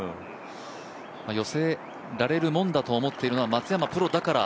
寄せられるもんだと思っているのは松山プロだから。